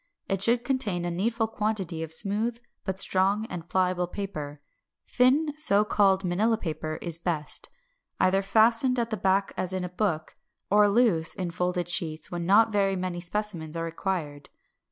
It should contain a needful quantity of smooth but strong and pliable paper (thin so called Manilla paper is best), either fastened at the back as in a book, or loose in folded sheets when not very many specimens are required.